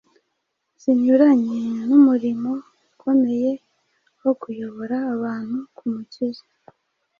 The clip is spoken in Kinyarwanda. zinyuranye n’umurimo ukomeye wo kuyobora abantu ku Mukiza.